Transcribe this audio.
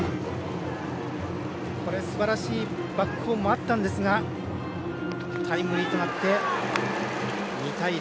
すばらしいバックホームもあったんですがタイムリーとなって２対０。